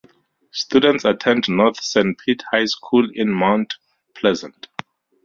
Students attend North Sanpete High School in Mount Pleasant.